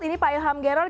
ini pak ilham geralt